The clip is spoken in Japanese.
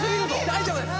大丈夫です